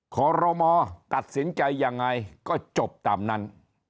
ขอรมอตัดสินใจยังไงก็จบตามนั้น